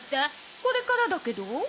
これからだけど。